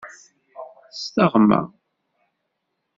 S teɣma.